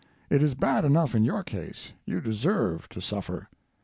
It is bad enough in your case, you deserve to suffer.